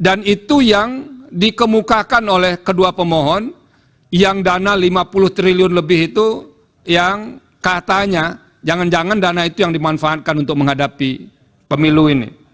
dan itu yang dikemukakan oleh kedua pemohon yang dana lima puluh triliun lebih itu yang katanya jangan jangan dana itu yang dimanfaatkan untuk menghadapi pemilu ini